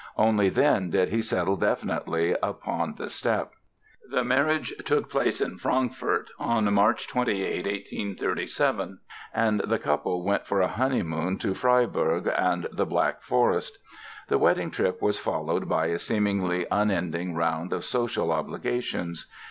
Only then did he settle definitely upon the step. The marriage took place in Frankfort on March 28, 1837, and the couple went for a honeymoon to Freiburg and the Black Forest. The wedding trip was followed by a seemingly unending round of social obligations.